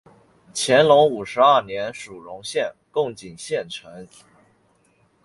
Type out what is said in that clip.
乾隆五十二年署荣县贡井县丞。